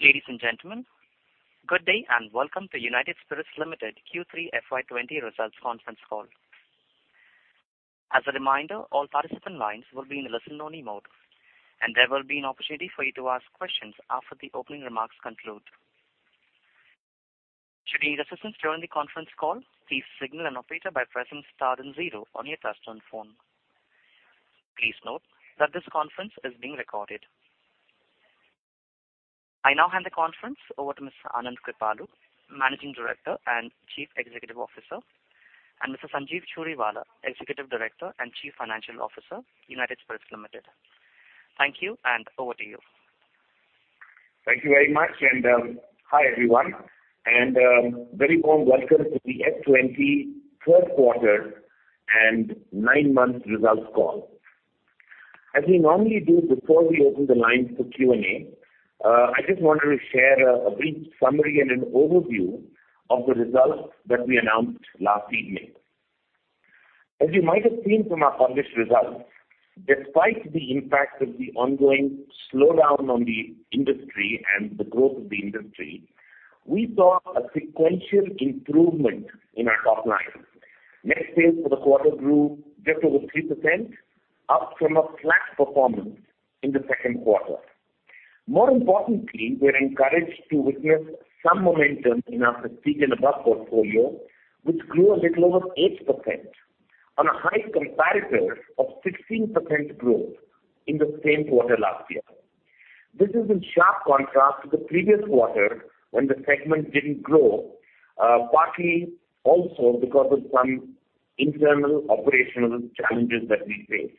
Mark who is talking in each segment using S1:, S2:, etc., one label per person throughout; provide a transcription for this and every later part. S1: Ladies and gentlemen, good day and welcome to United Spirits Limited Q3 FY20 results conference call. As a reminder, all participant lines will be in a listen-only mode, and there will be an opportunity for you to ask questions after the opening remarks conclude. Should you need assistance during the conference call, please signal an operator by pressing star and zero on your touch-tone phone. Please note that this conference is being recorded. I now hand the conference over to Mr. Anand Kripalu, Managing Director and Chief Executive Officer, and Mr. Sanjeev Churiwala, Executive Director and Chief Financial Officer, United Spirits Limited. Thank you, and over to you.
S2: Thank you very much, and hi everyone, and very warm welcome to the FY20 third quarter and nine-month results call. As we normally do before we open the lines for Q&A, I just wanted to share a brief summary and an overview of the results that we announced last evening. As you might have seen from our published results, despite the impact of the ongoing slowdown on the industry and the growth of the industry, we saw a sequential improvement in our top line. Net sales for the quarter grew just over 3%, up from a flat performance in the second quarter. More importantly, we're encouraged to witness some momentum in our Prestige and Above portfolio, which grew a little over 8%, on a high comparative of 16% growth in the same quarter last year. This is in sharp contrast to the previous quarter when the segment didn't grow, partly also because of some internal operational challenges that we faced.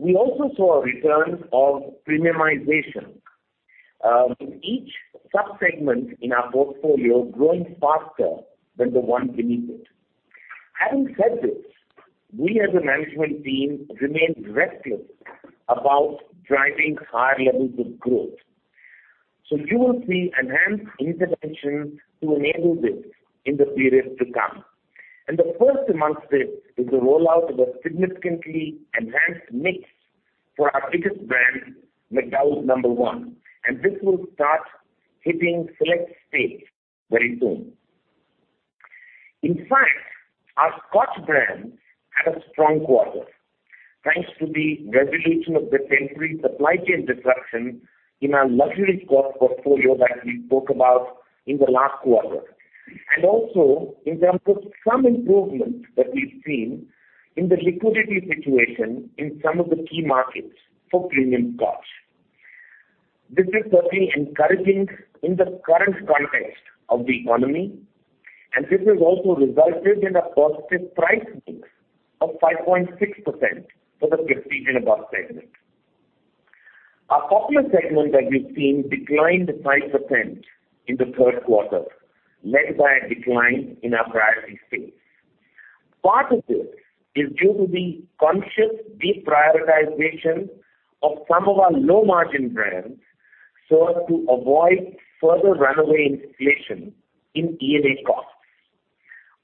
S2: We also saw a return of premiumization, with each subsegment in our portfolio growing faster than the one beneath it. Having said this, we as a management team remained restless about driving higher levels of growth. So you will see enhanced intervention to enable this in the period to come. And the first amongst this is the rollout of a significantly enhanced mix for our biggest brand, McDowell's No.1, and this will start hitting select states very soon. In fact, our Scotch brand had a strong quarter, thanks to the resolution of the temporary supply chain disruption in our luxury portfolio that we spoke about in the last quarter, and also in terms of some improvement that we've seen in the liquidity situation in some of the key markets for premium Scotch. This is certainly encouraging in the current context of the economy, and this has also resulted in a positive price mix of 5.6% for the Prestige and Above segment. Our Popular segment that we've seen declined 5% in the third quarter, led by a decline in our priority states. Part of this is due to the conscious deprioritization of some of our low-margin brands so as to avoid further runaway inflation in ENA costs.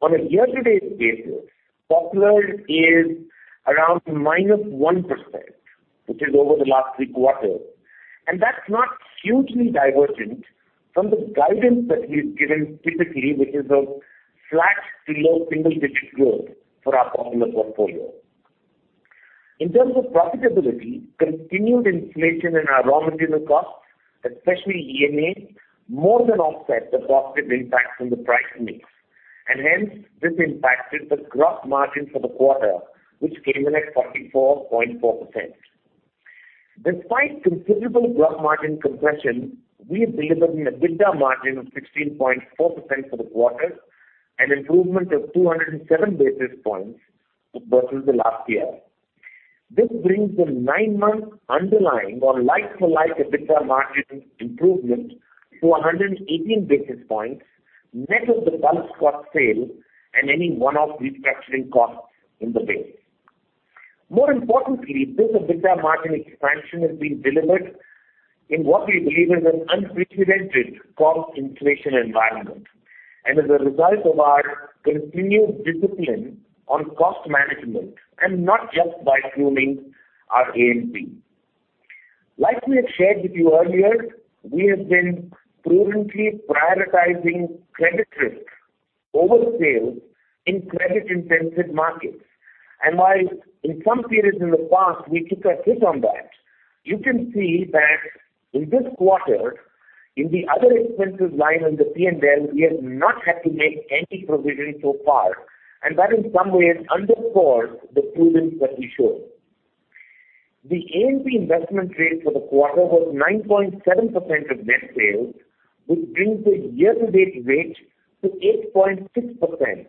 S2: On a year-to-date basis, Popular is around minus 1%, which is over the last three quarters, and that's not hugely divergent from the guidance that we've given typically, which is of flat to low single-digit growth for our Popular portfolio. In terms of profitability, continued inflation in our raw material costs, especially ENA, more than offsets the positive impact from the price mix, and hence this impacted the gross margin for the quarter, which came in at 44.4%. Despite considerable gross margin compression, we have delivered an EBITDA margin of 16.4% for the quarter and improvement of 207 basis points versus the last year. This brings the nine-month underlying or like-for-like EBITDA margin improvement to 118 basis points, net of the bulk Scotch sale and any one-off restructuring costs in the base. More importantly, this EBITDA margin expansion has been delivered in what we believe is an unprecedented cost inflation environment, and as a result of our continued discipline on cost management and not just by pruning our A&P. Like we had shared with you earlier, we have been prudently prioritizing credit risk over sales in credit-intensive markets, and while in some periods in the past we took a hit on that, you can see that in this quarter, in the other expensive line on the P&L, we have not had to make any provision so far, and that in some ways underscores the prudence that we showed. The A&P investment rate for the quarter was 9.7% of net sales, which brings the year-to-date rate to 8.6%,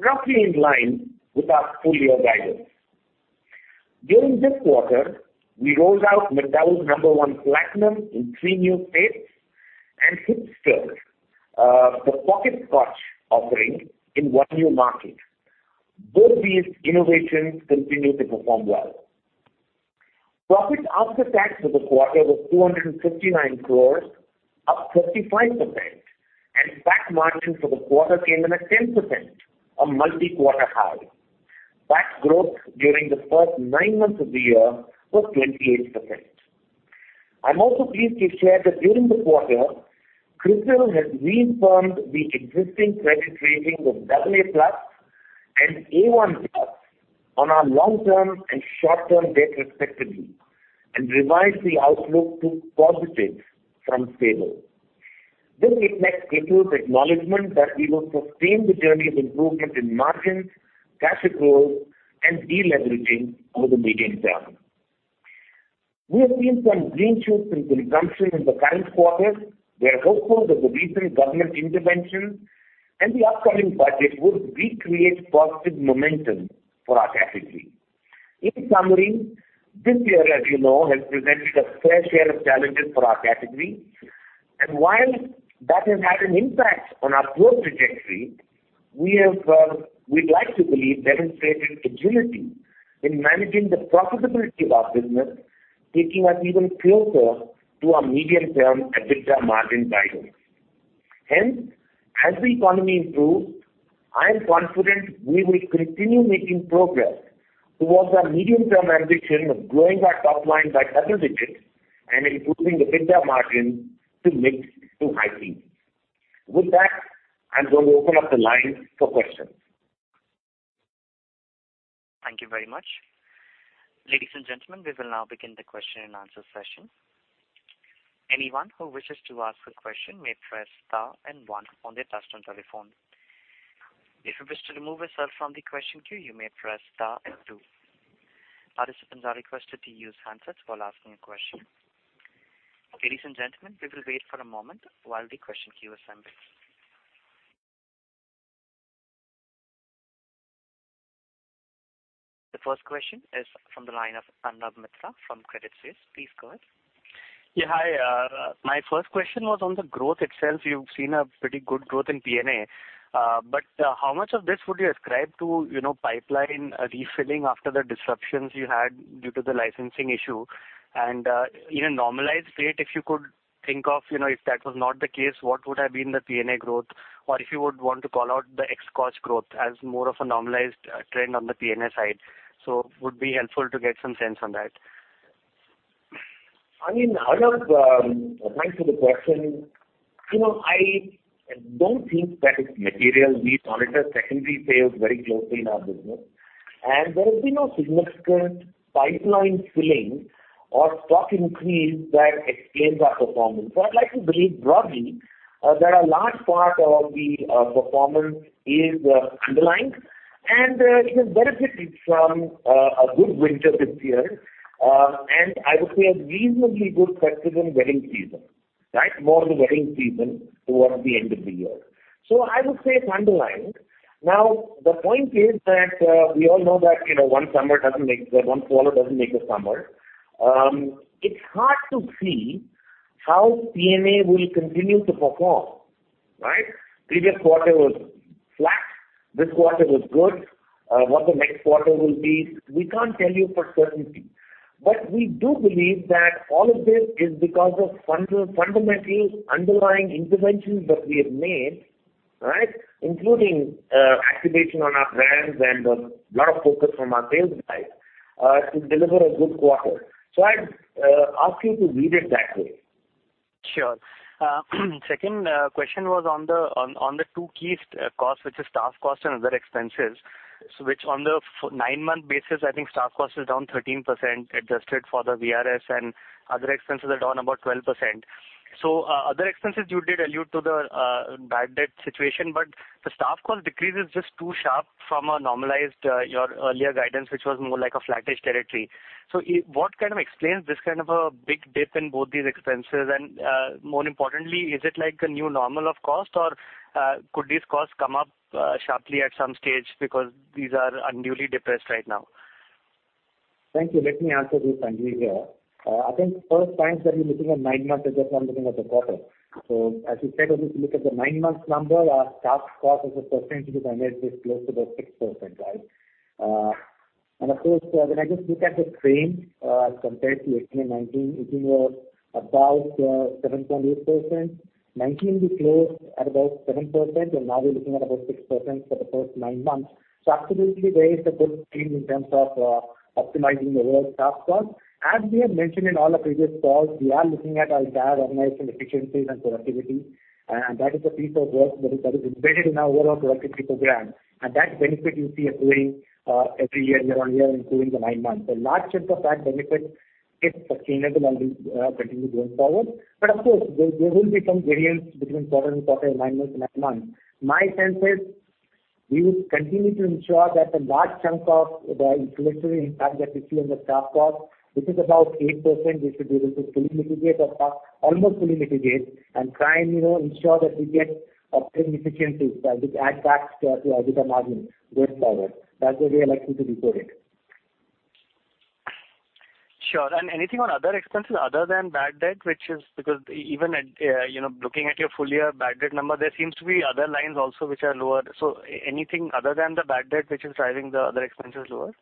S2: roughly in line with our full-year guidance. During this quarter, we rolled out McDowell's No. 1 Platinum in three new states and Hipster, the pocket Scotch offering in one new market. Both these innovations continue to perform well. Profit after tax for the quarter was 259 crores, up 35%, and PAT margin for the quarter came in at 10%, a multi-quarter high. PAT growth during the first nine months of the year was 28%. I'm also pleased to share that during the quarter, CRISIL has reaffirmed the existing credit ratings of AA plus and A1 plus on our long-term and short-term debt, respectively, and revised the outlook to positive from stable. This reflects CRISIL's acknowledgment that we will sustain the journey of improvement in margins, cash accruals, and deleveraging over the medium term. We have seen some green shoots in consumption in the current quarter. We are hopeful that the recent government intervention and the upcoming budget would recreate positive momentum for our category. In summary, this year, as you know, has presented a fair share of challenges for our category, and while that has had an impact on our growth trajectory, we have—we'd like to believe demonstrated agility in managing the profitability of our business, taking us even closer to our medium-term EBITDA margin guidance. Hence, as the economy improves, I am confident we will continue making progress towards our medium-term ambition of growing our top line by double digits and improving the EBITDA margin to mix to high peaks. With that, I'm going to open up the line for questions.
S1: Thank you very much. Ladies and gentlemen, we will now begin the question and answer session. Anyone who wishes to ask a question may press star and one on their touch-tone telephone. If you wish to remove yourself from the question queue, you may press star and two. Participants are requested to use handsets while asking a question. Ladies and gentlemen, we will wait for a moment while the question queue assembles. The first question is from the line of Arnab Mitra from Credit Suisse. Please go ahead.
S3: Yeah, hi. My first question was on the growth itself. You've seen a pretty good growth in P&A, but how much of this would you ascribe to pipeline refilling after the disruptions you had due to the licensing issue? And in a normalized rate, if you could think of-if that was not the case, what would have been the P&A growth? Or if you would want to call out the ex-Scotch growth as more of a normalized trend on the P&A side, so it would be helpful to get some sense on that.
S2: I mean, Arnab, thanks for the question. I don't think that it's material. We monitor secondary sales very closely in our business, and there has been no significant pipeline filling or stock increase that explains our performance. So I'd like to believe broadly that a large part of the performance is underlying and even benefited from a good winter this year, and I would say a reasonably good festive and wedding season, right? More of the wedding season towards the end of the year. So I would say it's underlying. Now, the point is that we all know that one summer doesn't make, one swallow doesn't make a summer. It's hard to see how P&A will continue to perform, right? Previous quarter was flat. This quarter was good. What the next quarter will be, we can't tell you for certainty, but we do believe that all of this is because of fundamental underlying interventions that we have made, right? Including activation on our brands and a lot of focus from our sales guys to deliver a good quarter. So I'd ask you to read it that way.
S3: Sure. Second question was on the two key costs, which are staff costs and other expenses, which on the nine-month basis, I think staff cost is down 13%, adjusted for the VRS, and other expenses are down about 12%. So other expenses, you did allude to the bad debt situation, but the staff cost decrease is just too sharp from a normalized, your earlier guidance, which was more like a flattish territory. So what kind of explains this kind of a big dip in both these expenses? And more importantly, is it like a new normal of cost, or could these costs come up sharply at some stage because these are unduly depressed right now?
S4: Thank you. Let me answer this one here. I think the first time that we're looking at nine months is just when I'm looking at the quarter. So as you said, when you look at the nine-month number, our staff cost as a percentage of NS is close to the 6%, right? And of course, when I just look at the same as compared to 18 and 19, 18 were about 7.8%. 19 we closed at about 7%, and now we're looking at about 6% for the first nine months. So absolutely, there is a good change in terms of optimizing the overall staff cost. As we have mentioned in all our previous calls, we are looking at our entire organization efficiencies and productivity, and that is a piece of work that is embedded in our overall productivity program, and that benefit you see accruing every year, year on year, including the nine months. A large chunk of that benefit is sustainable and will continue going forward, but of course, there will be some variance between quarter and quarter, nine months and nine months. My sense is we would continue to ensure that the large chunk of the inflationary impact that we see on the staff cost, which is about 8%, we should be able to fully mitigate or almost fully mitigate and try and ensure that we get operating efficiencies that we add back to our EBITDA margin going forward.
S3: That's the way I'd like you to decode it. Sure and anything on other expenses other than bad debt, which is because even looking at your full-year bad debt number, there seems to be other lines also which are lower, so anything other than the bad debt which is driving the other expenses lower?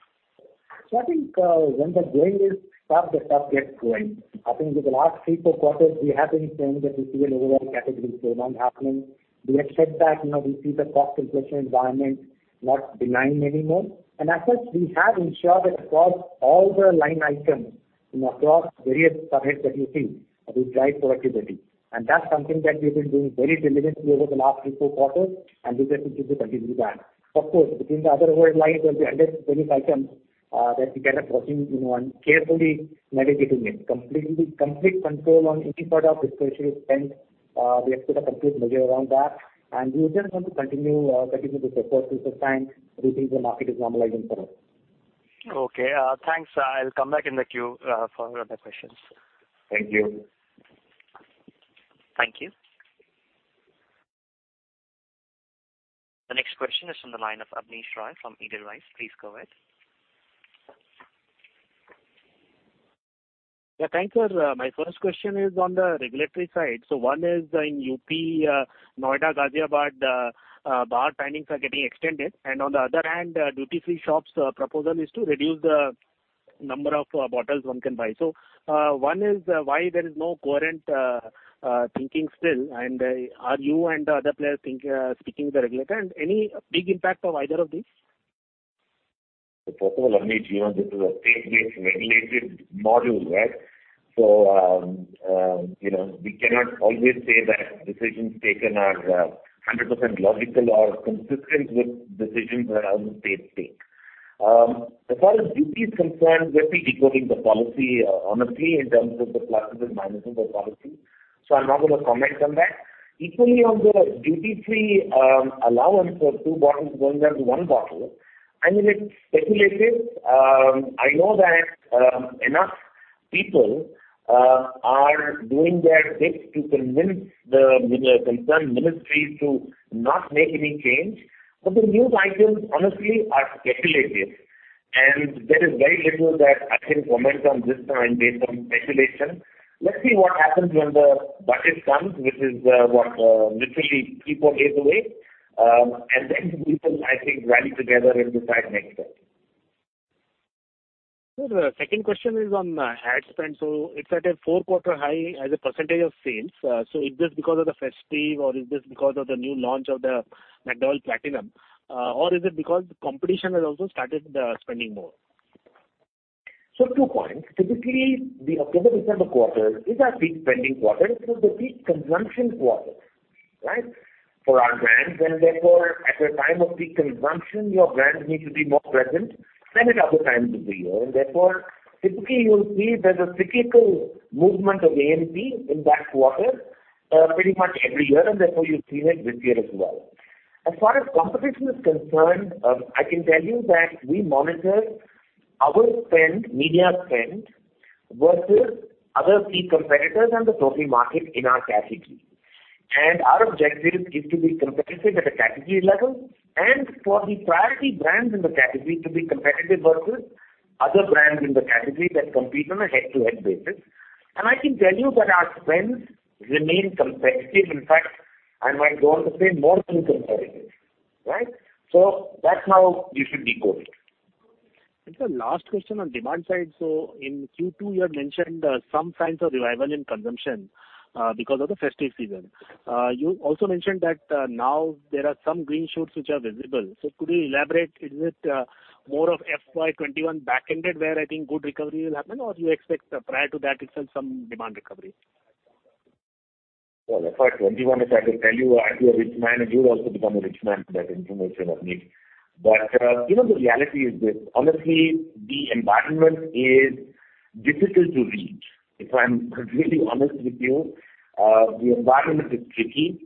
S4: So I think when the going gets tough, the tough get going. I think with the last three, four quarters, we have been saying that we see an overall category slowdown happening. We have said that we see the cost inflation environment not benign anymore. And as such, we have ensured that across all the line items and across various subheads that you see, we drive productivity. And that's something that we've been doing very diligently over the last three, four quarters, and we just need to continue that. Of course, with the other overhead lines and the other various items that we keep watching and carefully navigating, with complete control on any sort of discretionary spend. We have put complete measures around that, and we would just want to continue to support through this time until the market is normalizing for us.
S3: Okay. Thanks. I'll come back in the queue for the questions.
S2: Thank you.
S1: Thank you. The next question is from the line of Abneesh Roy from Edelweiss. Please go ahead.
S5: Yeah, thanks. My first question is on the regulatory side. So one is in UP, Noida, Ghaziabad, bar timings are getting extended, and on the other hand, duty-free shops' proposal is to reduce the number of bottles one can buy. So one is why there is no coherent thinking still, and are you and the other players speaking with the regulator? And any big impact of either of these?
S2: First of all, Abneesh, this is a state-based regulated model, right? So we cannot always say that decisions taken are 100% logical or consistent with decisions that are on the national stage. As far as duty is concerned, we're decoding the policy honestly in terms of the pluses and minuses of policy, so I'm not going to comment on that. Equally, on the duty-free allowance of two bottles going down to one bottle, I mean, it's speculative. I know that enough people are doing their bit to convince the concerned ministries to not make any change, but the news items honestly are speculative, and there is very little that I can comment on this time based on speculation. Let's see what happens when the budget comes, which is literally three, four days away, and then people, I think, rally together and decide next steps.
S5: So the second question is on the ad spend. So it's at a four-quarter high as a percentage of sales. So is this because of the festive, or is this because of the new launch of the McDowell's Platinum, or is it because the competition has also started spending more?
S2: So two points. Typically, the October-December quarter is our peak spending quarter. It's the peak consumption quarter, right, for our brands, and therefore, at a time of peak consumption, your brands need to be more present than at other times of the year. And therefore, typically, you'll see there's a cyclical movement of A&P in that quarter pretty much every year, and therefore, you've seen it this year as well. As far as competition is concerned, I can tell you that we monitor our spend, media spend, versus other key competitors and the total market in our category. And our objective is to be competitive at a category level and for the priority brands in the category to be competitive versus other brands in the category that compete on a head-to-head basis. And I can tell you that our spends remain competitive. In fact, I might go on to say more than competitive, right? So that's how you should decode it.
S5: And so last question on demand side. So in Q2, you had mentioned some signs of revival in consumption because of the festive season. You also mentioned that now there are some green shoots which are visible. So could you elaborate? Is it more of FY 2021 back-ended, where I think good recovery will happen, or do you expect prior to that itself some demand recovery?
S2: FY 21, if I could tell you I'd be a rich man, and you'd also become a rich man for that information of mine. But the reality is this. Honestly, the environment is difficult to read, if I'm really honest with you. The environment is tricky.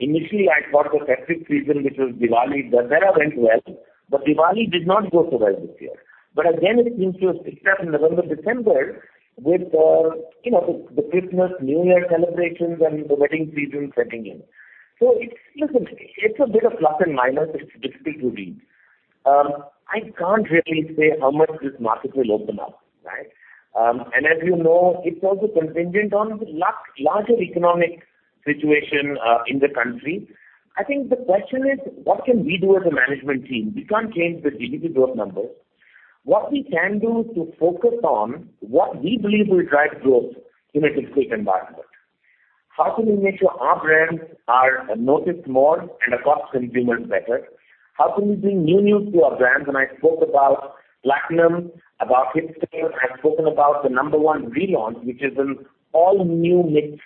S2: Initially, I thought the festive season, which was Diwali, that went well, but Diwali did not go so well this year. But again, it seems to have picked up in November, December with the Christmas, New Year celebrations, and the wedding season setting in. So listen, it's a bit of plus and minus. It's difficult to read. I can't really say how much this market will open up, right? And as you know, it's also contingent on the larger economic situation in the country. I think the question is, what can we do as a management team? We can't change the GDP growth numbers. What we can do is to focus on what we believe will drive growth in a discrete environment. How can we make sure our brands are noticed more and across consumers better? How can we bring new news to our brands? And I spoke about Platinum, about Hipster. I've spoken about the number one relaunch, which is an all-new mix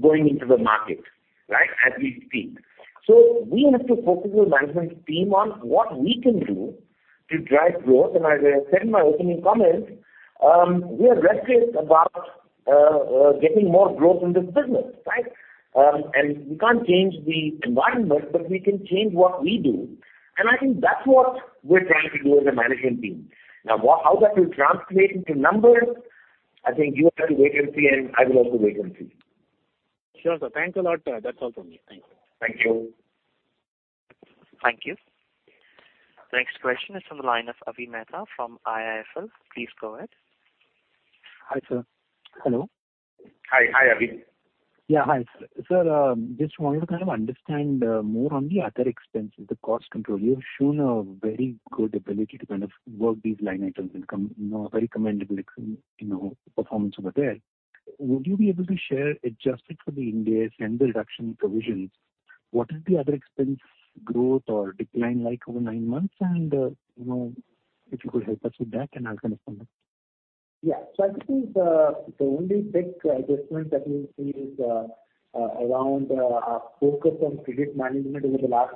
S2: going into the market, right, as we speak. So we have to focus as a management team on what we can do to drive growth. And as I said in my opening comments, we are restless about getting more growth in this business, right? And we can't change the environment, but we can change what we do. And I think that's what we're trying to do as a management team. Now, how that will translate into numbers, I think you have to wait and see, and I will also wait and see.
S5: Sure. So thanks a lot. That's all from me. Thank you.
S2: Thank you.
S1: Thank you. The next question is from the line of Avi Mehta from IIFL. Please go ahead.
S6: Hi, sir. Hello.
S4: Hi, Avi.
S6: Yeah, hi. Sir, just wanted to kind of understand more on the other expenses, the cost control. You've shown a very good ability to kind of work these line items and a very commendable performance over there. Would you be able to share adjusted for the Ind AS 116 and the reduction provisions, what is the other expense growth or decline like over nine months? And if you could help us with that, and I'll kind of comment.
S4: Yeah. So I think the only big adjustment that we've seen is around our focus on credit management over the last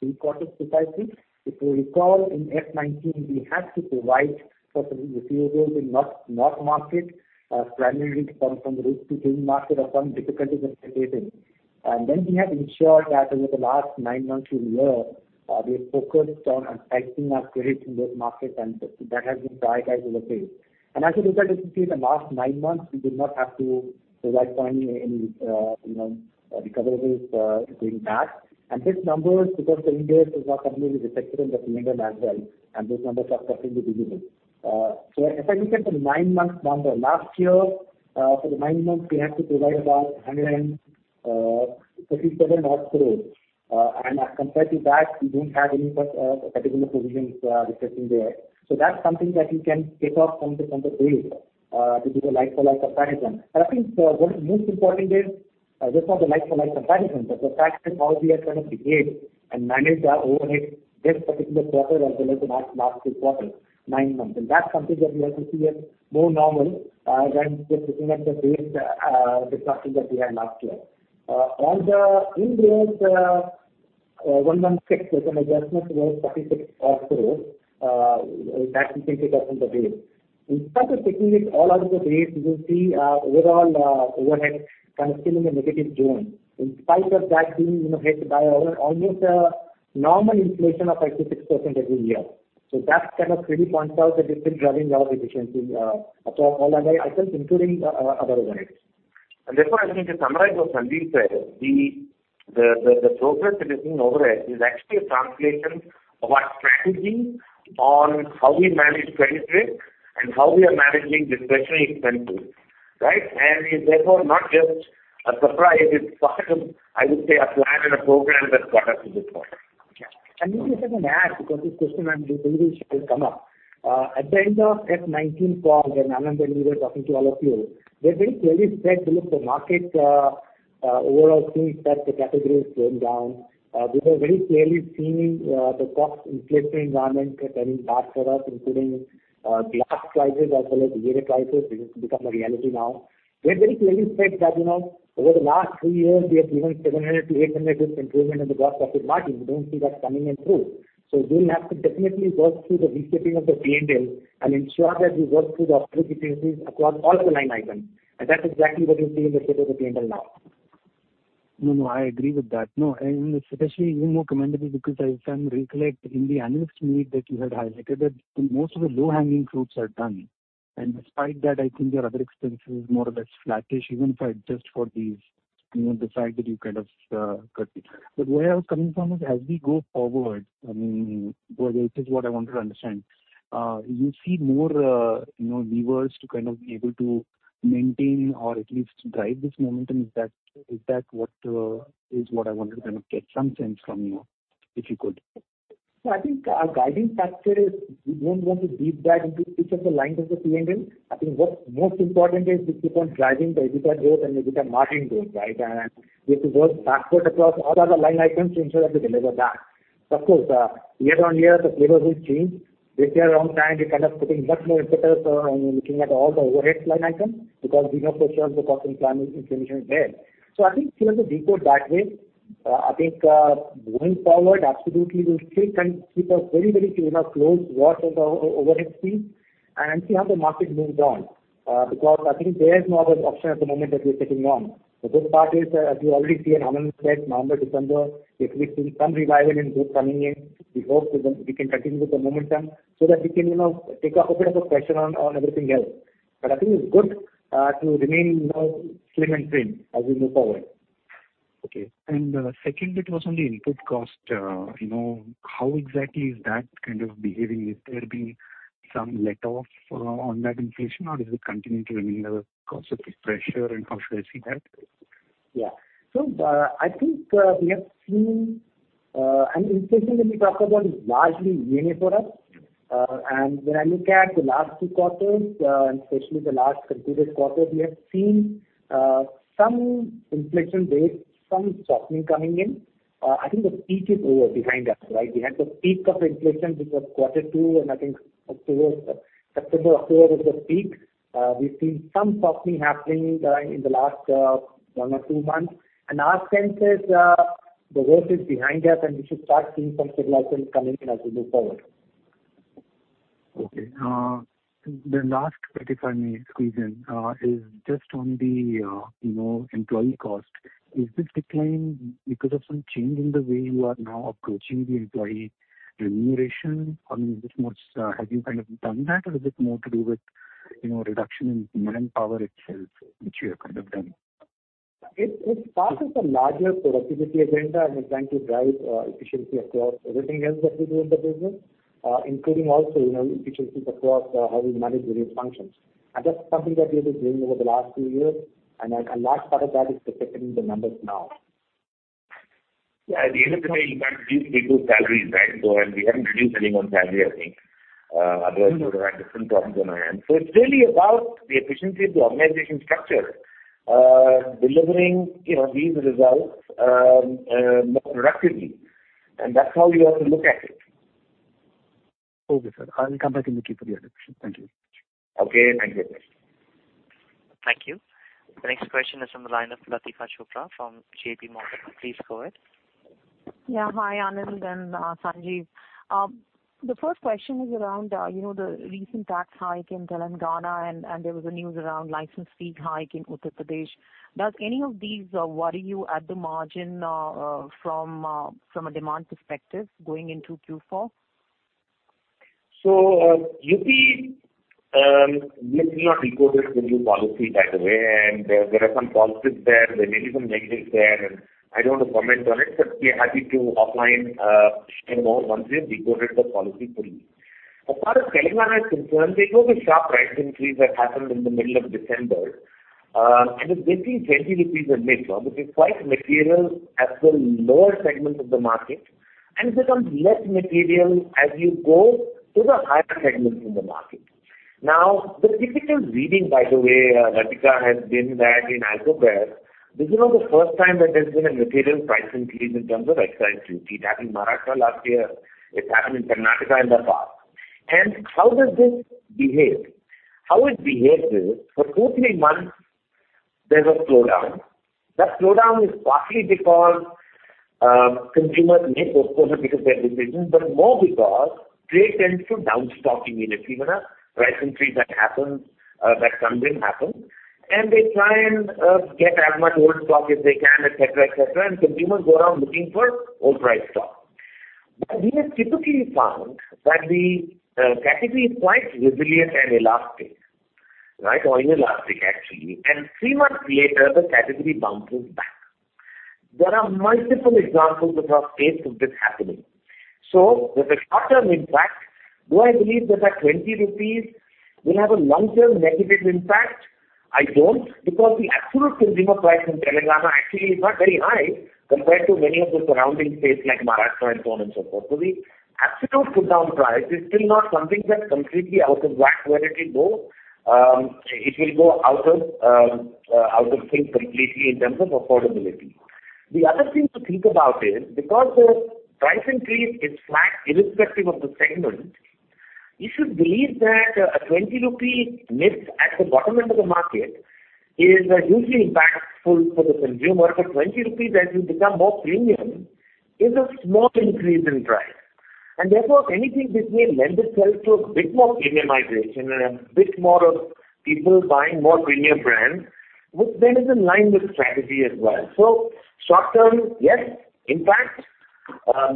S4: three quarters, precisely. If you recall, in FY19, we had to provide for refusals in North Market, primarily from the risk-to-gain market, upon difficulties of the cases. And then we have ensured that over the last nine months to a year, we have focused on tightening our credit in those markets, and that has been prioritized over there. And as a result, as you see, in the last nine months, we did not have to provide for any recoverables going back. And this number, because the Ind AS 116 is not completely reflected in the P&L as well, and those numbers are perfectly visible. So if I look at the nine-month number, last year, for the nine months, we had to provide about 147 or so. Compared to that, we don't have any particular provisions reflecting there. So that's something that you can pick up from the data to do a like-for-like comparison. And I think what is most important is just not the like-for-like comparison, but the fact of how we have kind of behaved and managed our overhead this particular quarter as well as the last three quarters, nine months. And that's something that we have to see as more normal than just looking at the base disruption that we had last year. On the Ind AS 116, there's an adjustment worth 46 or so that we can pick up from the data. In spite of taking it all out of the data, you will see our overall overhead kind of still in a negative zone, in spite of that being hit by almost a normal inflation of 56% every year. That kind of really points out that we're still driving our efficiency across all other items, including other overheads.
S2: And therefore, as I think you summarize what Sanjeev said, the progress we've seen in overhead is actually a translation of our strategy on how we manage credit risk and how we are managing discretionary expenses, right? And it's therefore not just a surprise. It's part of, I would say, a plan and a program that got us to this point.
S4: Yeah. And maybe if I can add, because this question I'm believing shall come up, at the end of F19 call, when Anand and me were talking to all of you, we had very clearly said, "Look, the market overall seems that the category is going down." We were very clearly seeing the cost inflation environment turning bad for us, including glass prices as well as the duty prices. This has become a reality now. We had very clearly said that over the last three years, we have given 700 to 800 basis points improvement in the gross profit margin. We don't see that coming in through. So we'll have to definitely work through the reshaping of the P&L and ensure that we work through the opportunities across all of the line items. And that's exactly what you see in the shape of the P&L now.
S6: No, no, I agree with that. No, and especially even more commendable because I recollect in the analyst meet that you had highlighted that most of the low-hanging fruits are done, and despite that, I think your other expenses are more or less flattish, even if I just for these decide that you kind of cut them, but where I was coming from is, as we go forward, I mean, this is what I wanted to understand. You see more levers to kind of be able to maintain or at least drive this momentum. Is that what I wanted to kind of get some sense from you, if you could?
S4: So I think our guiding factor is we don't want to deep dive into each of the lines of the P&L. I think what's most important is we keep on driving the EBITDA growth and EBITDA margin growth, right? And we have to work backward across all the other line items to ensure that we deliver that. Of course, year on year, the flavors will change. This year, around time, we're kind of putting much more emphasis on looking at all the overhead line items because we know for sure the cost inflation is there. So I think if you have to decode that way, I think going forward, absolutely, we'll still keep a very, very close watch on the overhead fees and see how the market moves on because I think there's no other option at the moment that we're sitting on. The good part is, as you already see and Anand said, November, December, if we've seen some revival in growth coming in, we hope we can continue with the momentum so that we can open up a pressure on everything else. But I think it's good to remain slim and thin as we move forward.
S6: Okay. And second, it was on the input cost. How exactly is that kind of behaving? Is there some let-up on that inflation, or does it continue to remain under cost pressure, and how should I see that?
S4: Yeah. So I think we have seen an inflation that we talk about is largely ENA for us. And when I look at the last two quarters, especially the last concluded quarter, we have seen some inflation data, some softening coming in. I think the peak is over behind us, right? We had the peak of inflation, which was quarter two, and I think September, October was the peak. We've seen some softening happening in the last one or two months. And our sense is the worst is behind us, and we should start seeing some stabilization coming in as we move forward.
S6: Okay. The last, if I may squeeze in, is just on the employee cost. Is this decline because of some change in the way you are now approaching the employee remuneration? I mean, is this more have you kind of done that, or is it more to do with reduction in manpower itself, which you have kind of done?
S4: It's part of a larger productivity agenda and is going to drive efficiency across everything else that we do in the business, including also efficiencies across how we manage various functions. And that's something that we have been doing over the last two years, and a large part of that is depicting the numbers now.
S2: Yeah. At the end of the day, in fact, we do salaries, right? So we haven't reduced anyone's salary, I think. Otherwise, we would have had different problems on our end. So it's really about the efficiency of the organization structure, delivering these results more productively. And that's how you have to look at it.
S6: Okay, sir. I'll come back in the queue for the other questions. Thank you.
S4: Okay. Thank you.
S1: Thank you. The next question is from the line of Latika Chopra from JP Morgan. Please go ahead.
S7: Yeah. Hi, Anand and Sanjeev. The first question is around the recent tax hike in Telangana, and there was a news around license fee hike in Uttar Pradesh. Does any of these worry you at the margin from a demand perspective going into Q4?
S2: So maybe we did not decode its excise policy, by the way, and there are some positives there. There may be some negatives there, and I don't want to comment on it, but we are happy to offline share more once we have decoded the policy fully. As far as Telangana is concerned, there was a sharp price increase that happened in the middle of December, and it's getting 20 rupees a bottle, which is quite material at the lower segments of the market, and it becomes less material as you go to the higher segments in the market. Now, the typical reading, by the way, Latika, has been that in alcobev, this is not the first time that there's been a material price increase in terms of excise duty. It happened in Maharashtra last year. It's happened in Karnataka in the past. How does this behave? How it behaves is, for two or three months, there's a slowdown. That slowdown is partly because consumers make those purchases at decision, but more because trade tends to downstock immediately when a price increase that comes in happens. And they try and get as much old stock as they can, etc., etc., and consumers go around looking for old price stock. But we have typically found that the category is quite resilient and elastic, right? Or inelastic, actually. And three months later, the category bounces back. There are multiple examples of our case of this happening. So there's a short-term impact. Do I believe that that 20 rupees will have a long-term negative impact? I don't, because the absolute consumer price in Telangana actually is not very high compared to many of the surrounding states like Maharashtra and so on and so forth. The absolute put-down price is still not something that's completely out of whack where it will go. It will go out of sync completely in terms of affordability. The other thing to think about is, because the price increase is flat irrespective of the segment, you should believe that an 20 rupee hike at the bottom end of the market is hugely impactful for the consumer. But 20 rupees, as you become more premium, is a small increase in price. And therefore, if anything, this may lend itself to a bit more premiumization and a bit more of people buying more premium brands, which then is in line with strategy as well. Short-term, yes. In fact,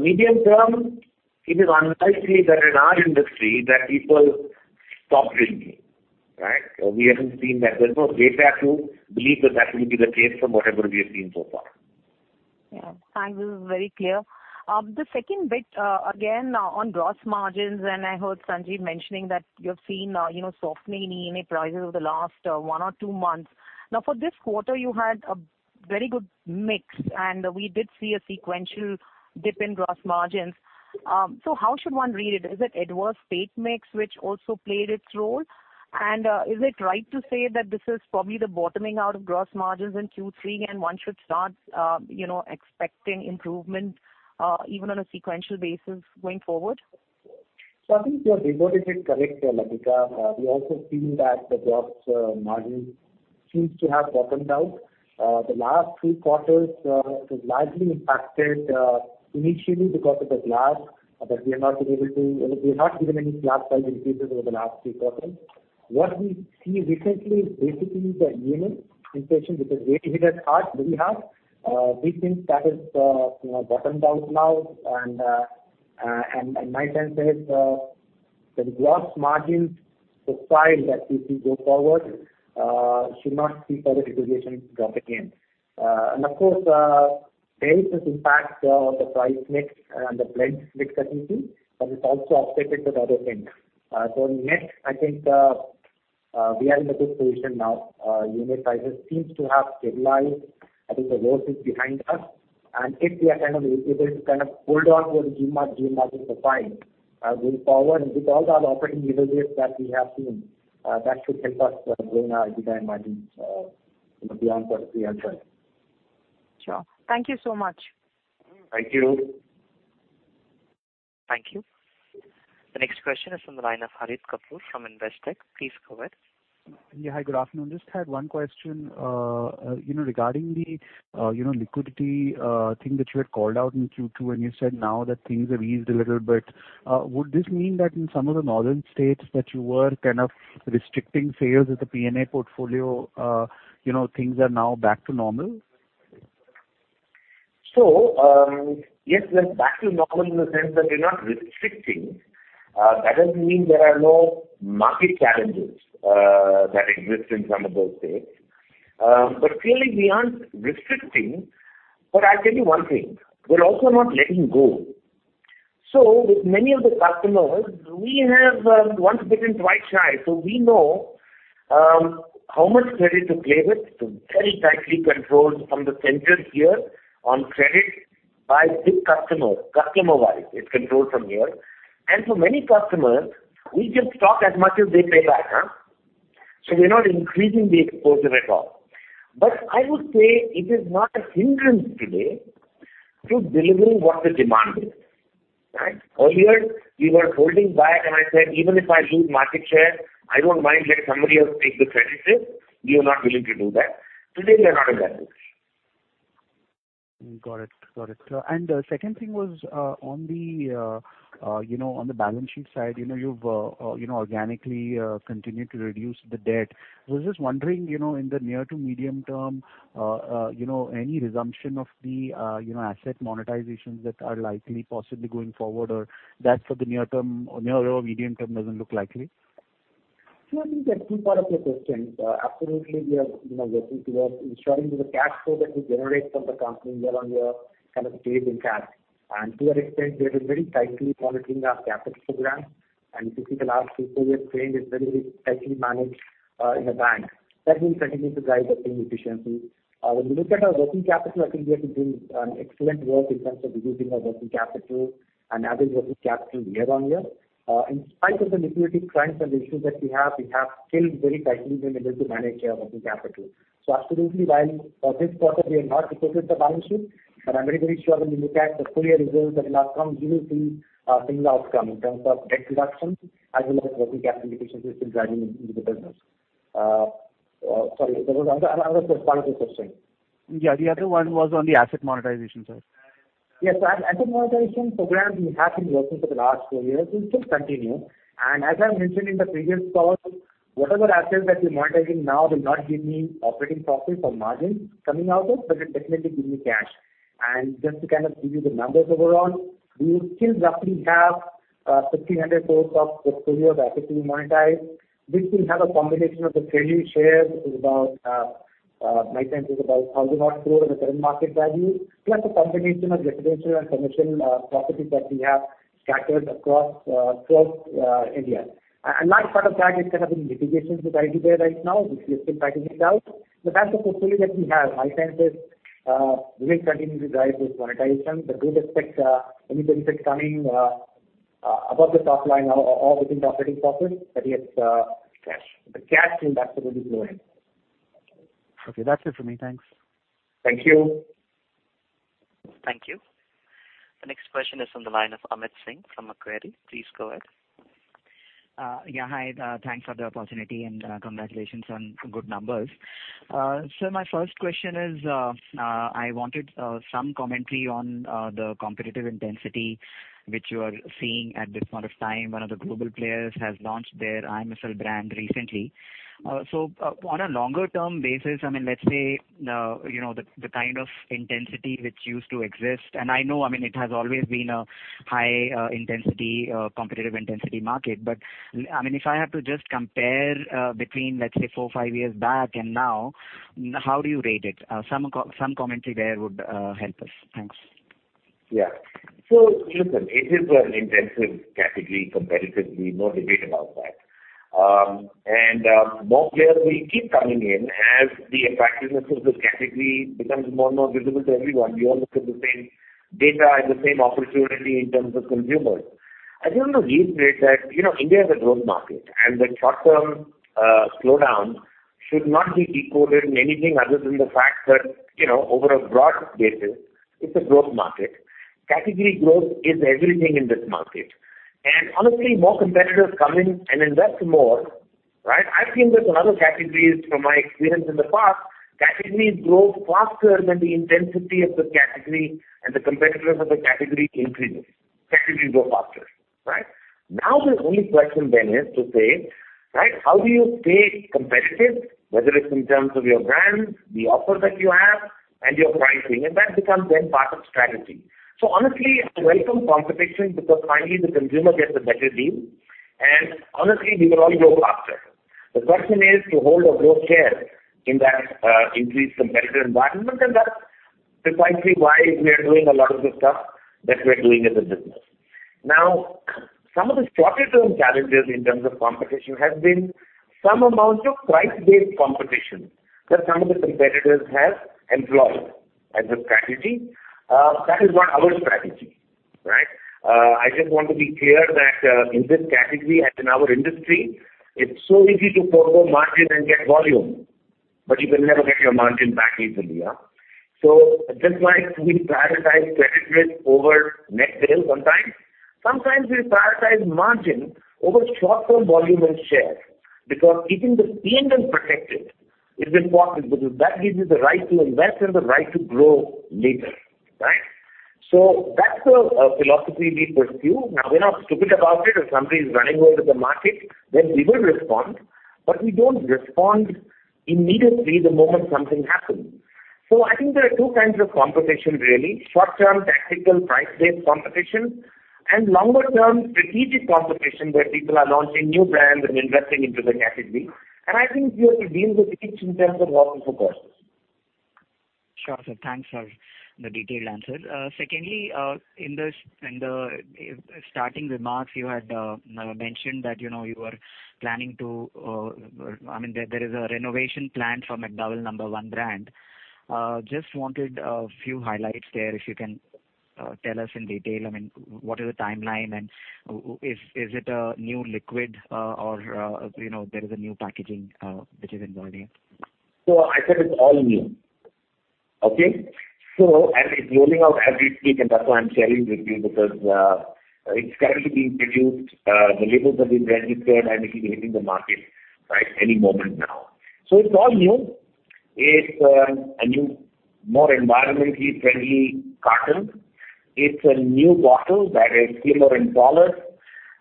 S2: medium-term, it is unlikely that in our industry that people stop drinking, right? We haven't seen that. There's no data to believe that that will be the case from whatever we have seen so far.
S7: Yeah. Thanks. This is very clear. The second bit, again, on gross margins, and I heard Sanjeev mentioning that you have seen softening in ENA prices over the last one or two months. Now, for this quarter, you had a very good mix, and we did see a sequential dip in gross margins. So how should one read it? Is it and the state mix, which also played its role? And is it right to say that this is probably the bottoming out of gross margins in Q3, and one should start expecting improvement even on a sequential basis going forward?
S4: So I think your report is correct there, Latika. We also see that the gross margins seem to have bottomed out. The last three quarters, it was largely impacted initially because of the glass, but we have not given any glass price increases over the last three quarters. What we see recently is basically the E&A inflation, which has really hit us hard, very hard. We think that has bottomed out now. And my sense is that the gross margin profile that we see go forward should not see further degradation drop again. And of course, there is this impact on the price mix and the blend mix that we see, but it's also offset with other things. So net, I think we are in a good position now. E&A prices seem to have stabilized. I think the worst is behind us. If we are kind of able to kind of hold on to a gross margin, gross margin profile going forward, and with all the other operating leverages that we have seen, that should help us grow our EBITDA margins beyond quarter three as well.
S7: Sure. Thank you so much.
S4: Thank you.
S1: Thank you. The next question is from the line of Harit Kapoor from Investec. Please go ahead.
S8: Yeah. Hi, good afternoon. Just had one question regarding the liquidity thing that you had called out in Q2, and you said now that things have eased a little bit. Would this mean that in some of the northern states that you were kind of restricting sales of the P&A portfolio, things are now back to normal?
S2: So yes, we are back to normal in the sense that we're not restricting. That doesn't mean there are no market challenges that exist in some of those states. But clearly, we aren't restricting. But I'll tell you one thing. We're also not letting go. So with many of the customers, we have once bitten twice shy. So we know how much credit to play with. It's very tightly controlled from the center here on credit by big customers. Customer-wise, it's controlled from here. And for many customers, we just talk as much as they pay back, huh? So we're not increasing the exposure at all. But I would say it is not a hindrance today to delivering what the demand is, right? Earlier, we were holding back, and I said, "Even if I lose market share, I don't mind letting somebody else take the credit risk." We were not willing to do that. Today, we are not in that position.
S8: Got it. Got it. And the second thing was on the balance sheet side, you've organically continued to reduce the debt. I was just wondering, in the near to medium term, any resumption of the asset monetizations that are likely possibly going forward, or that for the near-term or nearer medium term doesn't look likely?
S4: No, I think that's two parts of your question. Absolutely, we are working towards ensuring the cash flow that we generate from the company along your kind of trade and cash, and to that extent, we are very tightly monitoring our capital program, and if you see the last two or four years' trade is very, very tightly managed in a bank. That will continue to drive the same efficiency. When we look at our working capital, I think we have been doing excellent work in terms of reducing our working capital and average working capital year on year. In spite of the liquidity crises and the issues that we have, we have still very tightly been able to manage our working capital. So absolutely, while for this quarter, we have not decoded the balance sheet, but I'm very, very sure when we look at the full year results that are not coming, we will see a similar outcome in terms of debt reduction as well as working capital efficiency still driving into the business. Sorry, there was another part of your question.
S8: Yeah. The other one was on the asset monetization, sir.
S4: Yes. So asset monetization program we have been working for the last four years will still continue. And as I mentioned in the previous call, whatever assets that we're monetizing now will not give me operating profit or margin coming out of, but it definitely gives me cash. And just to kind of give you the numbers overall, we still roughly have 1,500 crores of portfolio of assets to be monetized, which will have a combination of the treasury shares, which is about my sense is about 1,000-odd crore of the current market value, plus a combination of residential and commercial properties that we have scattered across India. A large part of that is kind of in litigation with IDBI right now, which we are still fighting it out. But that's the portfolio that we have. My sense is we will continue to drive this monetization, but don't expect any benefits coming above the top line or within the operating profit that we have cash. The cash will absolutely flow in.
S8: Okay. That's it for me. Thanks.
S4: Thank you.
S1: Thank you. The next question is from the line of Amit Sinha from Macquarie. Please go ahead.
S9: Yeah. Hi. Thanks for the opportunity and congratulations on good numbers. So my first question is I wanted some commentary on the competitive intensity which you are seeing at this point of time. One of the global players has launched their IMFL brand recently. So on a longer-term basis, I mean, let's say the kind of intensity which used to exist, and I know, I mean, it has always been a high-intensity competitive intensity market, but I mean, if I have to just compare between, let's say, four or five years back and now, how do you rate it? Some commentary there would help us. Thanks.
S2: Yeah. So listen, it is an intense category comparatively. No debate about that. And more players will keep coming in as the impact of this category becomes more and more visible to everyone. You all look at the same data and the same opportunity in terms of consumers. I think in that regard that India is a growth market, and the short-term slowdown should not be construed as anything other than the fact that on a broad basis, it's a growth market. Category growth is everything in this market. And honestly, more competitors come in, and invest more, right? I've seen this in other categories from my experience in the past. Categories grow faster than the intensity of the category, and the competitors of the category increase. Categories grow faster, right? Now, the only question then is to say, right, how do you stay competitive, whether it's in terms of your brands, the offer that you have, and your pricing? And that becomes then part of strategy. So honestly, I welcome competition because finally, the consumer gets a better deal, and honestly, we will all grow faster. The question is to hold our growth share in that increased competitive environment, and that's precisely why we are doing a lot of the stuff that we are doing as a business. Now, some of the shorter-term challenges in terms of competition have been some amount of price-based competition that some of the competitors have employed as a strategy. That is not our strategy, right? I just want to be clear that in this category and in our industry, it's so easy to forgo margin and get volume, but you can never get your margin back easily, huh? So just like we prioritize credit risk over net sales sometimes, sometimes we prioritize margin over short-term volume and share because keeping the P&L protected is important because that gives you the right to invest and the right to grow later, right? So that's the philosophy we pursue. Now, we're not stupid about it. If somebody is running away with the market, then we will respond, but we don't respond immediately the moment something happens. So I think there are two kinds of competition, really: short-term tactical price-based competition and longer-term strategic competition where people are launching new brands and investing into the category. I think you have to deal with each in terms of what is the process.
S9: Sure. So thanks for the detailed answer. Secondly, in the starting remarks, you had mentioned that you were planning to, I mean, there is a renovation plan for McDowell's No. 1 brand. Just wanted a few highlights there if you can tell us in detail. I mean, what is the timeline, and is it a new liquid, or there is a new packaging which is involved here?
S2: So I said it's all new. Okay? So I'm rolling out every week, and that's why I'm sharing with you because it's currently being produced. The labels have been registered, and it is hitting the market, right, any moment now. So it's all new. It's a new, more environmentally friendly carton. It's a new bottle that is slimmer and taller.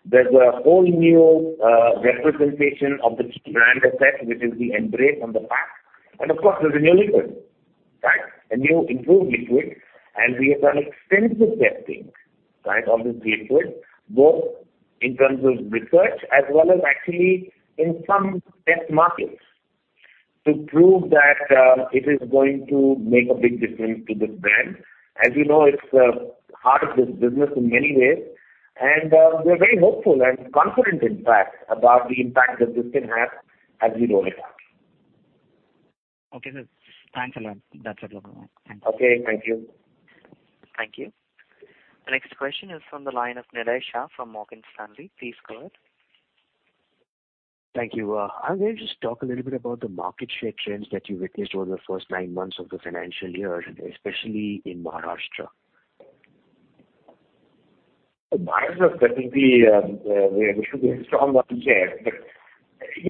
S2: There's a whole new representation of the key brand effect, which is the embrace on the pack. And of course, there's a new liquid, right? A new improved liquid, and we have done extensive testing, right, of this liquid, both in terms of research as well as actually in some test markets to prove that it is going to make a big difference to this brand. As you know, it's the heart of this business in many ways, and we are very hopeful and confident, in fact, about the impact that this can have as we roll it out.
S9: Okay. Thanks a lot. That's it. Thank you.
S2: Okay. Thank you.
S1: Thank you. The next question is from the line of Nillai Shah from Morgan Stanley. Please go ahead.
S10: Thank you. I'm going to just talk a little bit about the market share trends that you witnessed over the first nine months of the financial year, especially in Maharashtra.
S2: Maharashtra is definitely a strong market share,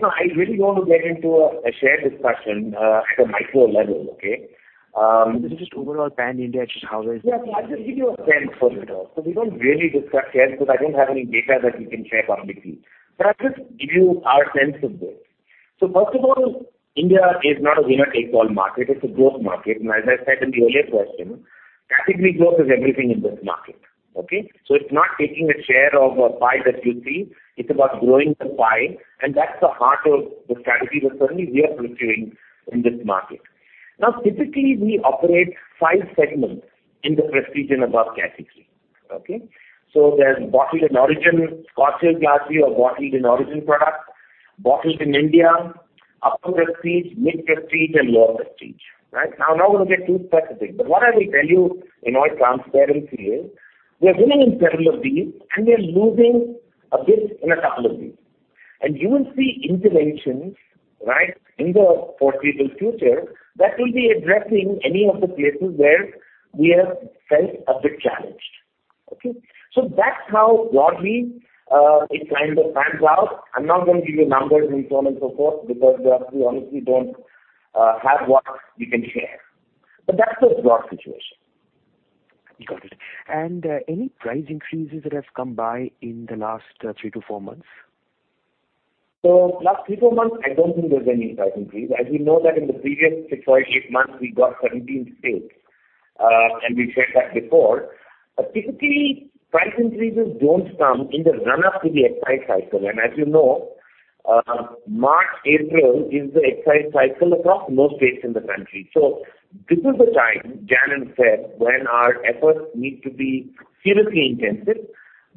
S2: but I really don't want to get into a share discussion at a micro level, okay?
S10: This is just overall pan-India, just how.
S2: Yeah. So I'll just give you a sense first. So we don't really discuss shares, but I don't have any data that we can share publicly. But I'll just give you our sense of this. So first of all, India is not a winner-take-all market. It's a growth market. And as I said in the earlier question, category growth is everything in this market, okay? So it's not taking a share of a pie that you see. It's about growing the pie, and that's the heart of the strategy that certainly we are pursuing in this market. Now, typically, we operate five segments in the prestige and above category, okay? So there's Bottled in Origin, Scotches last year, Bottled in Origin products, Bottled in India, Upper Prestige, Mid Prestige, and Lower Prestige, right? Now, I'm not going to get too specific, but what I will tell you in all transparency is we are winning in several of these, and we are losing a bit in a couple of these. And you will see interventions, right, in the foreseeable future that will be addressing any of the places where we have felt a bit challenged, okay? So that's how broadly it kind of pans out. I'm not going to give you numbers and so on and so forth because we honestly don't have what we can share. But that's the broad situation.
S10: Got it. And any price increases that have come by in the last three to four months?
S2: So last three to four months, I don't think there's any price increase. As we know that in the previous six or eight months, we got 17 states, and we've shared that before. But typically, price increases don't come in the run-up to the excise cycle. And as you know, March, April is the excise cycle across most states in the country. So this is the time, Jan and Fred, when our efforts need to be seriously intensive,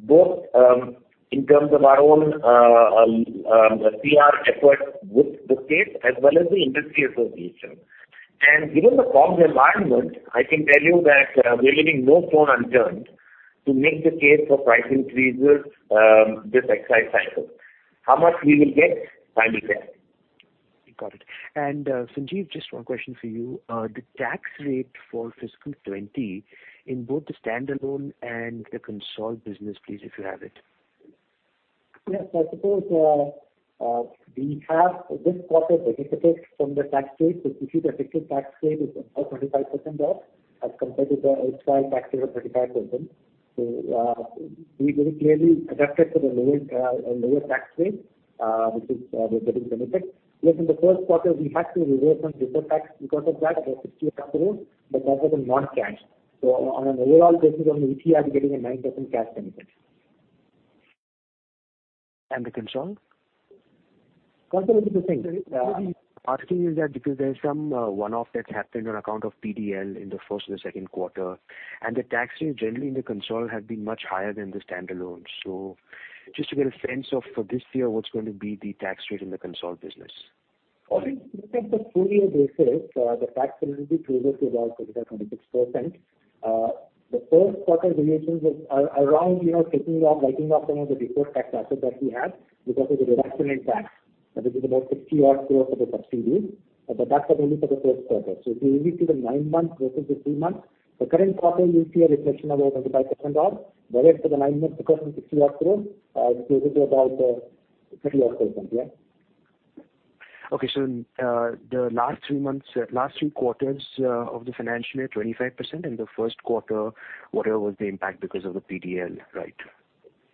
S2: both in terms of our own PR effort with the states as well as the industry association. And given the comms environment, I can tell you that we're leaving no stone unturned to make the case for price increases this excise cycle. How much we will get? Time will tell.
S10: Got it. And Sanjeev, just one question for you. The tax rate for fiscal 2020 in both the standalone and the consolidated business, please, if you have it.
S4: Yes. I suppose we have this quarter benefited from the tax rate. The fiscal 2020 tax rate is about 25% as compared to the earlier tax rate of 35%. So we've very clearly adapted to the lower tax rate, which is we're getting benefits. Yes, in the first quarter, we had to reverse deferred tax because of that, about 60 crores, but that was non-cash. So on an overall basis, on the ETR, we're getting a 9% cash benefit.
S10: And the consensus?
S4: Consult is the same.
S10: Asking you that because there's some one-off that's happened on account of PDL in the first and the second quarter, and the tax rate generally in the consol has been much higher than the standalone. So just to get a sense of for this year, what's going to be the tax rate in the consol business?
S4: Only in terms of full year basis, the tax rate will be closer to about 25%-26%. The first quarter variations are around taking off, writing off some of the before-tax assets that we have because of the reduction in tax, which is about 60% off of the subsidy, but that's only for the first quarter. So if you look at the nine months versus the three months, the current quarter, you'll see a reflection of about 25% off, whereas for the nine months because of the 60% off, it's closer to about 30% off, yeah?
S10: Okay. So the last three quarters of the financial year, 25%, and the first quarter, whatever was the impact because of the PDL, right?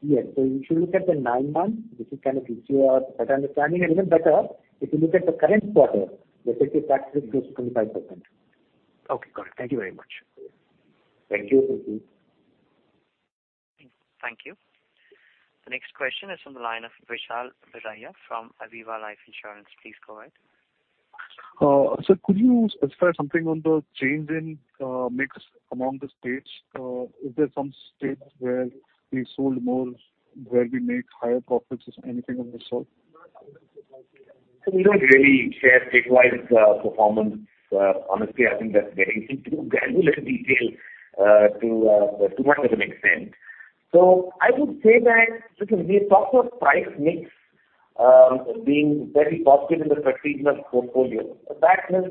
S4: Yes, so you should look at the nine months, which is kind of easier to get an understanding and even better, if you look at the current quarter, the effective tax rate is closer to 25%.
S10: Okay. Got it. Thank you very much.
S4: Thank you. Thank you.
S1: Thank you. The next question is from the line of Vishal Biraia from Aviva Life Insurance. Please go ahead.
S11: Sir, could you ask us something on the change in mix among the states? Is there some states where we sold more, where we make higher profits or anything of the sort?
S2: So we don't really share statewide performance. Honestly, I think that's very interesting. We don't go into a little detail too much of an extent. So I would say that we have talked about price mix being very positive in the prestige portfolio. That has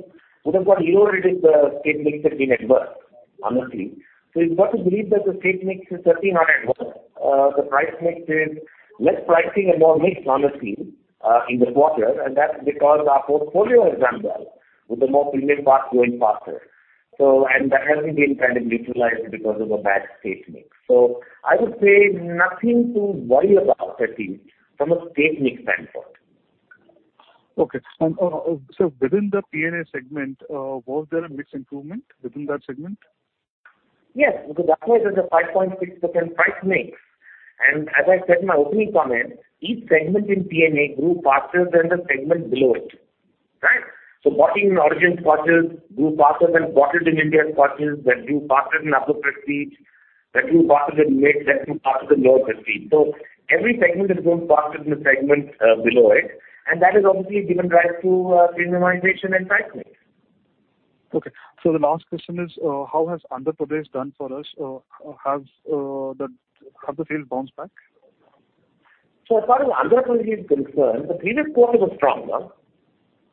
S2: sort of got eroded if the state mix has been adverse, honestly. So you've got to believe that the state mix is certainly not adverse. The price mix is less pricing and more mix, honestly, in the quarter, and that's because our portfolio has done well with the more premium parts going faster. And that hasn't been kind of neutralized because of a bad state mix. So I would say nothing to worry about, at least, from a state mix standpoint.
S11: Okay, and so within the P&A segment, was there a mix improvement within that segment?
S2: Yes. Because that's why there's a 5.6% price mix. And as I said in my opening comment, each segment in P&A grew faster than the segment below it, right? So Bottled in Origin scotches grew faster than Bottled in India scotches, that grew faster than Upper Prestige, that grew faster than Mid. That grew faster than Lower Prestige. So every segment has grown faster than the segment below it, and that has obviously given rise to premiumization and price mix.
S11: Okay. So the last question is, how has Andhra Pradesh done for us? Have the sales bounced back?
S2: As far as Andhra Pradesh is concerned, the previous quarter was stronger,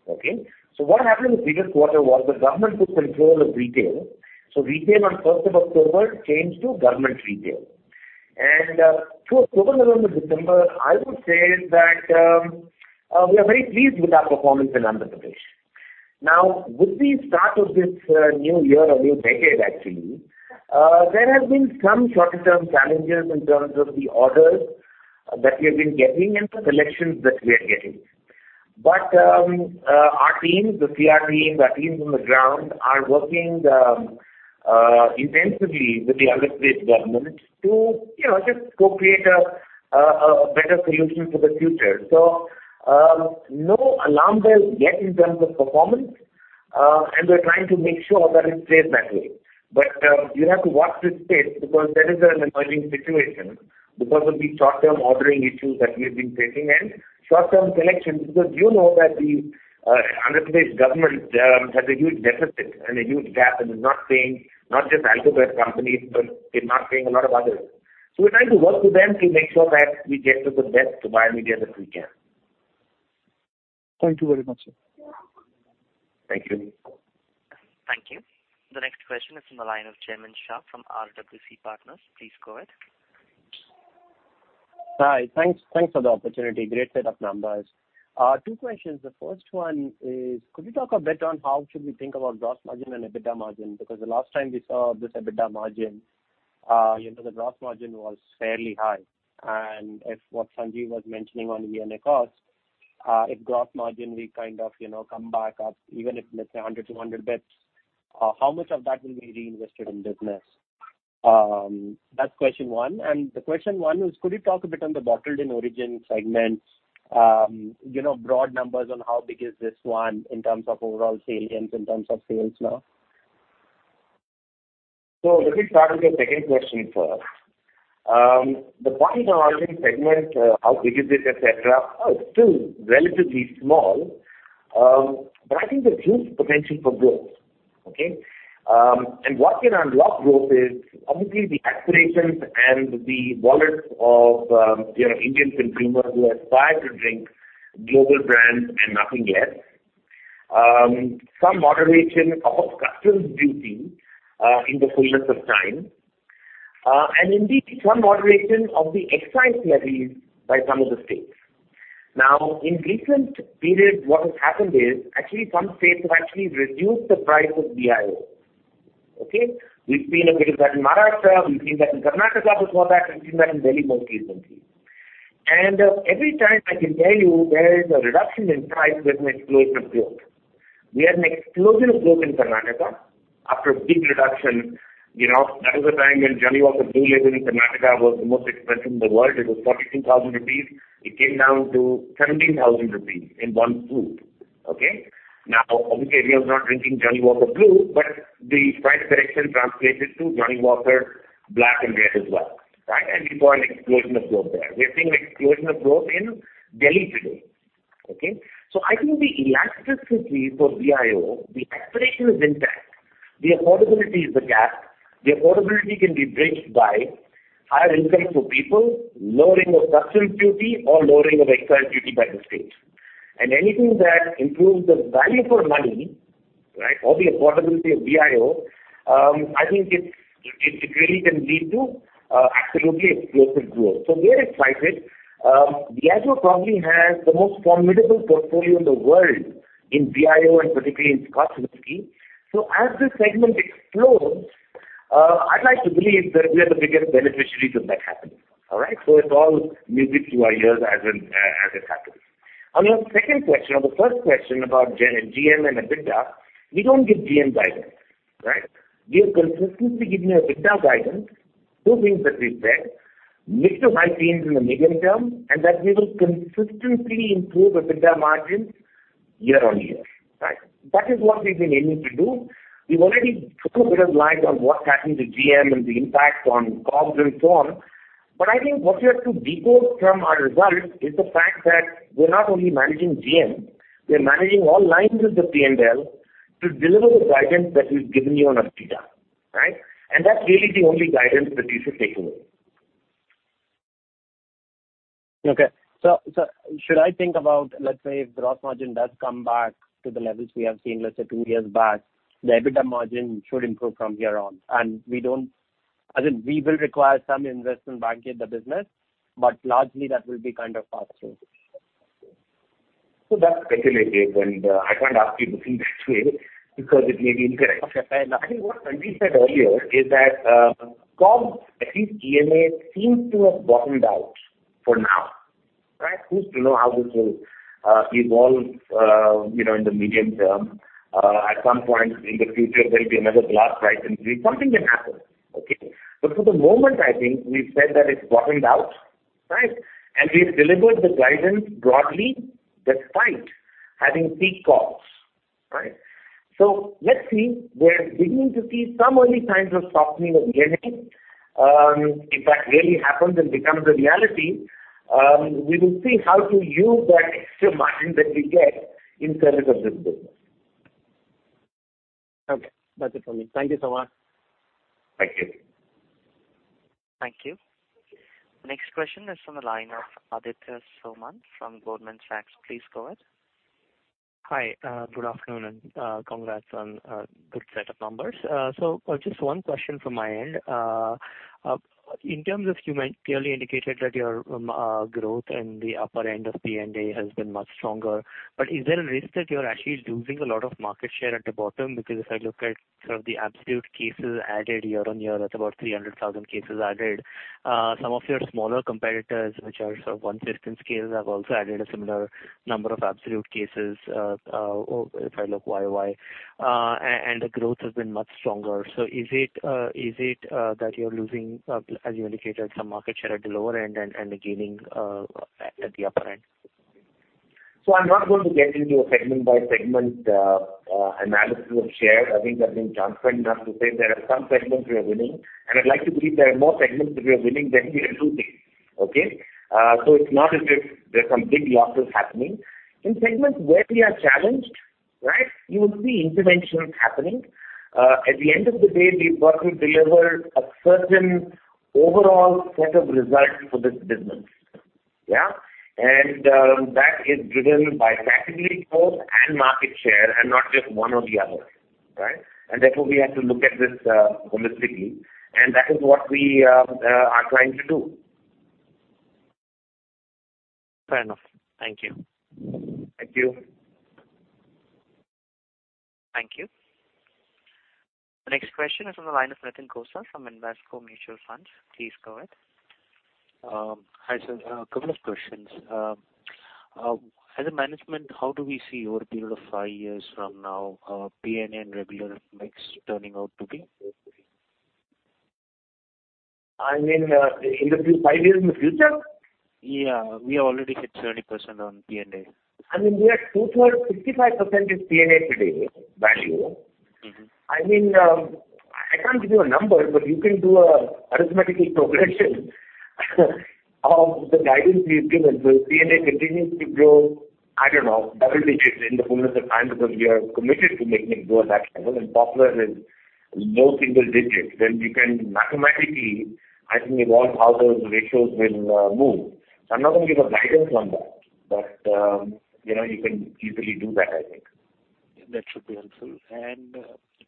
S2: okay? What happened in the previous quarter was the government took control of retail. Retail on 1st of October changed to government retail. Through October and December, I would say that we are very pleased with our performance in Andhra Pradesh. Now, with the start of this new year or new decade, actually, there have been some shorter-term challenges in terms of the orders that we have been getting and the selections that we are getting. Our teams, the PR teams, our teams on the ground, are working intensively with the Andhra Pradesh government to just co-create a better solution for the future. No alarm bells yet in terms of performance, and we're trying to make sure that it stays that way. But you have to watch this space because there is an emerging situation because of these short-term ordering issues that we have been facing and short-term selections because you know that the Andhra Pradesh government has a huge deficit and a huge gap and is not paying not just alco-bev companies but is not paying a lot of others. So we're trying to work with them to make sure that we get to the best buy and rebate that we can.
S11: Thank you very much, sir.
S2: Thank you.
S1: Thank you. The next question is from the line of Jaimin Shah from RWC Partners. Please go ahead.
S12: Hi. Thanks for the opportunity. Great set of numbers. Two questions. The first one is, could you talk a bit on how should we think about gross margin and EBITDA margin? Because the last time we saw this EBITDA margin, the gross margin was fairly high. And what Sanjeev was mentioning on ENA cost, if gross margin we kind of come back up, even if it's 100-200 basis points, how much of that will be reinvested in business? That's question one. And the question one is, could you talk a bit on the Bottled in Origin segment, broad numbers on how big is this one in terms of overall salience, in terms of sales now?
S2: So let me start with the second question first. The Bottled in Origin segment, how big is it, etc., is still relatively small, but I think there's huge potential for growth, okay? And what can unlock growth is, obviously, the aspirations and the wallets of Indian consumers who aspire to drink global brands and nothing less, some moderation of customs duty in the fullness of time, and indeed, some moderation of the excise levies by some of the states. Now, in recent periods, what has happened is, actually, some states have actually reduced the price of BIO, okay? We've seen a bit of that in Maharashtra. We've seen that in Karnataka. Before that, we've seen that in Delhi most recently. And every time, I can tell you, there is a reduction in price with an explosion of growth. We had an explosion of growth in Karnataka after a big reduction. That was a time when Johnnie Walker Blue Label in Karnataka was the most expensive in the world. It was 42,000 rupees. It came down to 17,000 rupees in one swoop, okay? Now, obviously, everyone's not drinking Johnnie Walker Blue Label, but the price correction translated to Johnnie Walker Black and Red as well, right? And we saw an explosion of growth there. We're seeing an explosion of growth in Delhi today, okay? So I think the elasticity for BIO, the aspiration is intact. The affordability is the gap. The affordability can be bridged by higher income for people, lowering of customs duty, or lowering of excise duty by the state. And anything that improves the value for money, right, or the affordability of BIO, I think it really can lead to absolutely explosive growth. So we're excited. Diageo probably has the most formidable portfolio in the world in BIO and particularly in Scotch whisky. So as this segment explodes, I'd like to believe that we are the biggest beneficiaries of that happening, all right? So it all accrues to us as it happens. On your second question or the first question about GM and EBITDA, we don't give GM guidance, right? We are consistently giving you EBITDA guidance, two things that we've said: Mid to high teens in the medium term, and that we will consistently improve EBITDA margins year on year, right? That is what we've been aiming to do. We've already thrown a bit of light on what's happened to GM and the impact on COGS and so on, but I think what you have to decode from our results is the fact that we're not only managing GM, we're managing all lines of the P&L to deliver the guidance that we've given you on EBITDA, right? And that's really the only guidance that you should take away.
S12: Okay, so should I think about, let's say, if gross margin does come back to the levels we have seen, let's say, two years back, the EBITDA margin should improve from here on? And we don't, I mean, we will require some investment in the business, but largely, that will be kind of passed through.
S2: So that's speculative, and I can't ask you to think that way because it may be incorrect. I think what Sanjeev said earlier is that COGS, at least ENA, seems to have bottomed out for now, right? Who's to know how this will evolve in the medium term. At some point in the future, there'll be another glass price increase. Something can happen, okay? But for the moment, I think we've said that it's bottomed out, right? And we've delivered the guidance broadly despite having peak COGS, right? So let's see. We're beginning to see some early signs of softening of ENA. If that really happens and becomes a reality, we will see how to use that extra margin that we get in service of this business.
S12: Okay. That's it for me. Thank you so much.
S2: Thank you.
S1: Thank you. Next question is from the line of Aditya Soman from Goldman Sachs. Please go ahead.
S13: Hi. Good afternoon, and congrats on a good set of numbers. So just one question from my end. In terms of, you clearly indicated that your growth in the upper end of P&A has been much stronger, but is there a risk that you're actually losing a lot of market share at the bottom? Because if I look at sort of the absolute cases added year on year, that's about 300,000 cases added. Some of your smaller competitors, which are sort of one-system scales, have also added a similar number of absolute cases. If I look YOY, and the growth has been much stronger. So is it that you're losing, as you indicated, some market share at the lower end and gaining at the upper end?
S2: So I'm not going to get into a segment-by-segment analysis of share. I think I've been transparent enough to say there are some segments we are winning, and I'd like to believe there are more segments that we are winning than we are losing, okay? So it's not as if there's some big losses happening. In segments where we are challenged, right, you will see interventions happening. At the end of the day, we've got to deliver a certain overall set of results for this business, yeah? And that is driven by category growth and market share and not just one or the other, right? And therefore, we have to look at this holistically, and that is what we are trying to do.
S13: Fair enough. Thank you.
S2: Thank you.
S1: Thank you. The next question is from the line of Nitin Gosar from Invesco Mutual Funds. Please go ahead.
S14: Hi, sir. A couple of questions. As a management, how do we see over a period of five years from now P&A and regular mix turning out to be?
S2: I mean, in the five years in the future?
S14: Yeah. We have already hit 70% on P&A.
S2: I mean, we are two-thirds, 65% is P&A today, value. I mean, I can't give you a number, but you can do an arithmetical progression of the guidance we've given. So if P&A continues to grow, I don't know, double digits in the fullness of time because we are committed to making it grow at that level, and COGS is low single digits, then you can mathematically, I think, evolve how those ratios will move. So I'm not going to give a guidance on that, but you can easily do that, I think.
S14: That should be helpful. And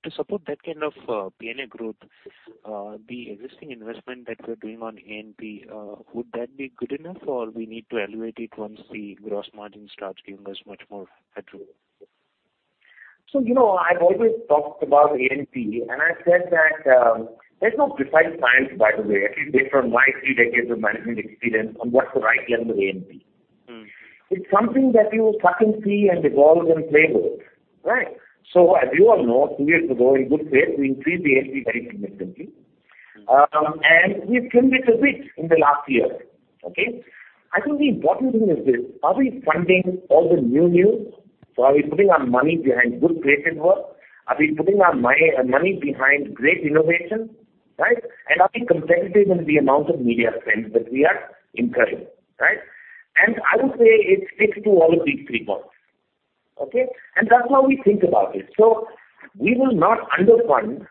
S14: to support that kind of P&A growth, the existing investment that we're doing on A&P, would that be good enough, or we need to elevate it once the gross margin starts giving us much more headroom?
S2: I've always talked about A&P, and I've said that there's no precise science, by the way, at least based on my three decades of management experience on what's the right level of A&P. It's something that you suck and see and evolve and play with, right? So as you all know, two years ago, in good faith, we increased A&P very significantly, and we've trimmed it a bit in the last year, okay? I think the important thing is this: are we funding all the new news? So are we putting our money behind good creative work? Are we putting our money behind great innovation, right? And are we competitive in the amount of media spend that we are incurring, right? And I would say it sticks to all of these three points, okay? And that's how we think about it. So we will not underfund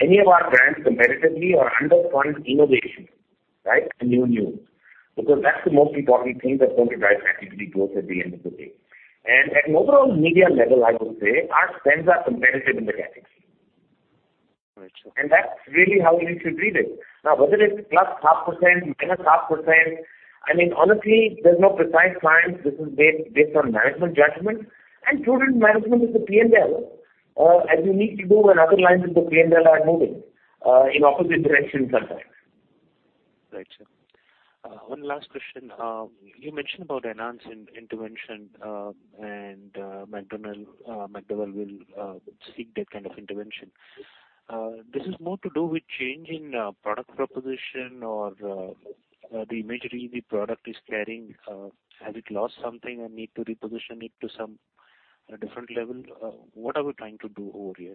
S2: any of our brands competitively or underfund innovation, right? And new launches because that's the most important thing that's going to drive category growth at the end of the day. And at an overall media level, I would say our spends are competitive in the category.
S14: Right.
S2: That's really how we should read it. Now, whether it's +0.5%, -0.5%, I mean, honestly, there's no precise science. This is based on management judgment, and prudent management of the P&L, as you need to do when other lines of the P&L are moving in opposite directions sometimes.
S14: Right. One last question. You mentioned about enhanced intervention, and McDowell's will seek that kind of intervention. This is more to do with change in product proposition or the imagery the product is carrying. Has it lost something and need to reposition it to some different level? What are we trying to do over here?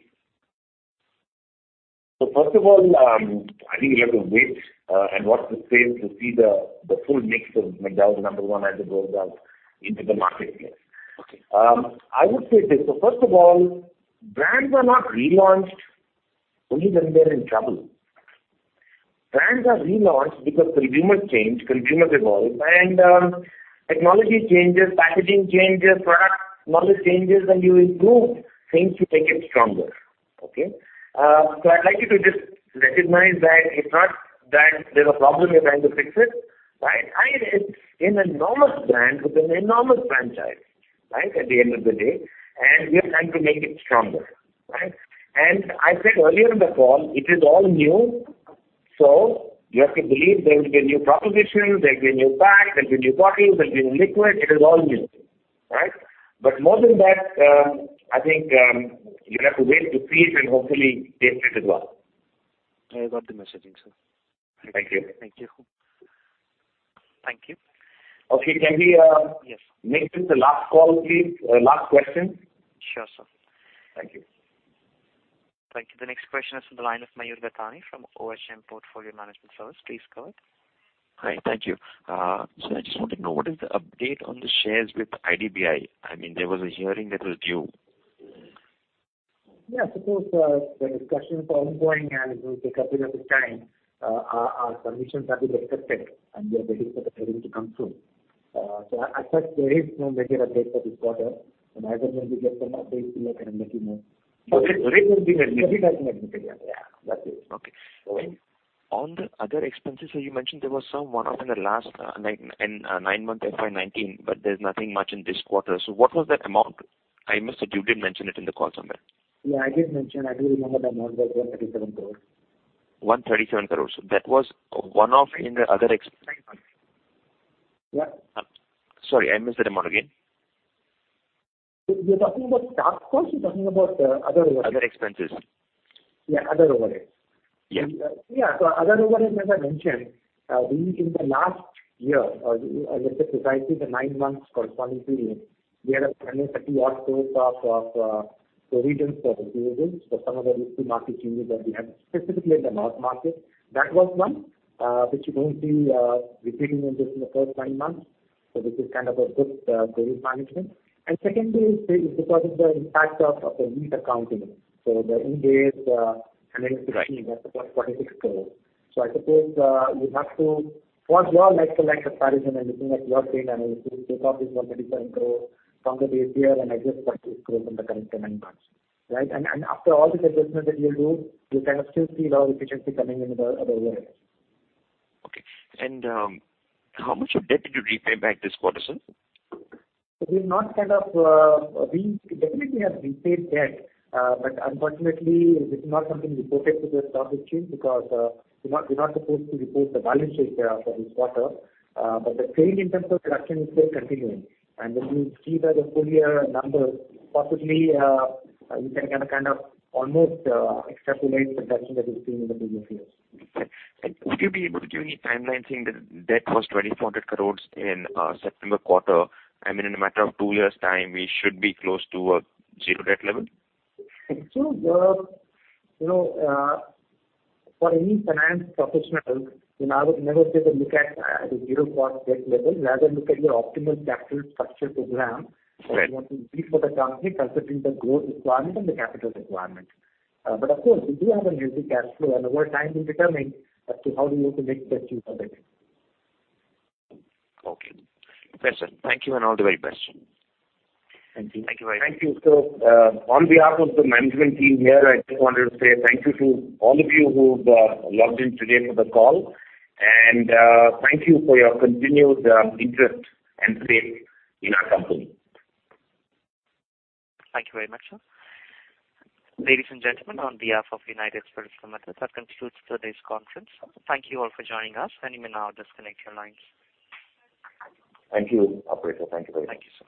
S2: So first of all, I think you have to wait and watch the sales to see the full mix of McDowell's No. 1 as it rolls out into the marketplace. I would say this. So first of all, brands are not relaunched only when they're in trouble. Brands are relaunched because consumers change, consumers evolve, and technology changes, packaging changes, product knowledge changes, and you improve things to make it stronger, okay? So I'd like you to just recognize that it's not that there's a problem, you're trying to fix it, right? It's an enormous brand with an enormous franchise, right, at the end of the day, and we are trying to make it stronger, right? I said earlier in the call, it is all new, so you have to believe there will be a new proposition, there'll be a new pack, there'll be new bottles, there'll be new liquid. It is all new, right? But more than that, I think you'll have to wait to see it and hopefully taste it as well.
S14: I got the messaging, sir.
S2: Thank you.
S14: Thank you.
S1: Thank you.
S2: Okay. Can we make this the last call, please? Last question?
S1: Sure, sir.
S2: Thank you.
S1: Thank you. The next question is from the line of Mayur Gathani from OHM Portfolio Equities. Please go ahead.
S15: Hi. Thank you. So I just want to know, what is the update on the shares with IDBI? I mean, there was a hearing that was due.
S4: Yeah, so of course, the discussions are ongoing, and it will take a period of time. Our submissions have been accepted, and we are waiting for the hearing to come through, so as such, there is no major update for this quarter, and thereafter when we get some updates, we'll let you know, so there will be a legitimate material. Yeah. That's it.
S15: Okay. On the other expenses, so you mentioned there was some one-off in the last nine-month FY19, but there's nothing much in this quarter. So what was that amount? I must have. You did mention it in the call somewhere.
S4: Yeah. I did mention. I do remember the amount was 137 crores.
S15: 137 crores. That was one-off in the other expenses?
S4: Yeah.
S15: Sorry. I missed that amount again.
S4: You're talking about stock costs or talking about other overheads?
S15: Other expenses.
S4: Yeah. Other overheads.
S15: Yeah.
S4: Yeah. So other overheads, as I mentioned, in the last year, let's say precisely the nine-month corresponding period, we had a INR 130 crore stock of provisions for refusals for some of the risky market changes that we had, specifically in the North market. That was one, which you don't see repeating in just the first nine months. So this is kind of a good provision management. And secondly, it's because of the impact of the lease accounting. So the Ind AS 116, that's about 46 crores. So I suppose you have to, for your like-for-like comparison and looking at your P&L analysis, take off this INR 137 crore from the base year and adjust INR 46 crores in the current nine months, right? And after all these adjustments that you'll do, you'll kind of still feel our efficiency coming into the other overheads.
S15: Okay. And how much of debt did you repay back this quarter, sir?
S4: So we definitely have repaid debt, but unfortunately, this is not something reported to the stock exchange because we're not supposed to report the balance sheet for this quarter. But the pain in terms of production is still continuing. And when you see the full year numbers, possibly you can kind of almost extrapolate the production that we've seen in the previous years.
S15: Would you be able to give any timeline saying that debt was 2,400 crores in September quarter? I mean, in a matter of two years' time, we should be close to a zero debt level?
S4: It's true. For any finance professional, I would never say to look at a zero-cost debt level. Rather, look at your optimal capital structure for granted that you want to use for the company, considering the growth requirement and the capital requirement. But of course, we do have a healthy cash flow, and over time, we'll determine as to how we want to make best use of it.
S15: Okay. Well, sir, thank you and all the very best.
S4: Thank you.
S2: Thank you very much. Thank you. On behalf of the management team here, I just wanted to say thank you to all of you who've logged in today for the call, and thank you for your continued interest and faith in our company.
S1: Thank you very much, sir. Ladies and gentlemen, on behalf of United Spirits Limited, that concludes today's conference. Thank you all for joining us, and you may now disconnect your lines.
S2: Thank you, operator. Thank you very much.
S1: Thank you.